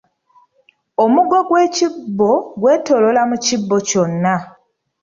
Omugo gw’ekibbo gwetooloola mu kibbo kyonna.